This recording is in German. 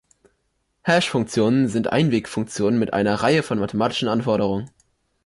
Hash-Funktionen sind Einwegfunktionen mit einer Reihe von mathematischen Anforderungen.